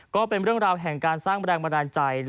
ก็เป็นเรื่องราวแห่งการสร้างแรงบันดาลใจ